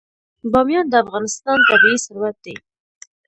بامیان د افغانستان طبعي ثروت دی.